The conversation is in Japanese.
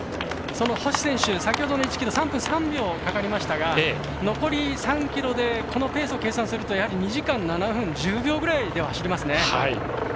その星選手、先ほどの１ｋｍ３分３秒かかりましたが残り３ｋｍでこのペースを計算すると２時間７分１０秒ぐらいで走りますね。